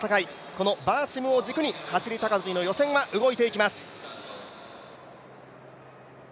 このバーシムを軸に、走り高跳びの予選は動いていきます。